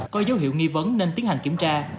có dấu hiệu nghi vấn nên tiến hành kiểm tra